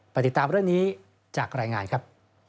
ติดตามเรื่องนี้จากรายงานครับ